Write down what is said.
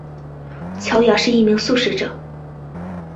乔雅是一名素食者。